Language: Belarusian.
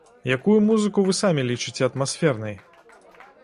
Якую музыку вы самі лічыце атмасфернай?